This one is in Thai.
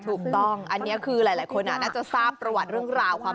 อันนี้คือหลายคนน่าจะทราบประวัติญภาพเรื่องราวว่า